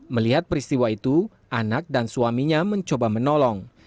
melihat peristiwa itu anak dan suaminya mencoba menolong